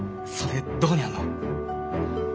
それどこにあんの？